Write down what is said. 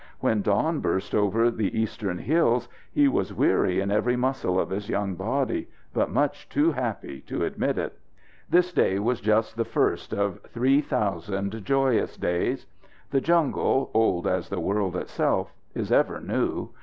When dawn burst over the eastern hills, he was weary in every muscle of his young body, but much too happy to admit it. This day was just the first of three thousand joyous days. The jungle, old as the world itself, is ever new.